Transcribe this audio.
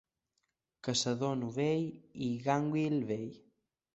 Caçador novell i gànguil vell.